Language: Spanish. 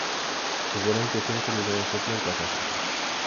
Sus buenas intenciones terminaban siempre en catástrofes.